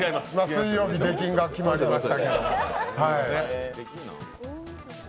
水曜日、出禁が決まりましたね。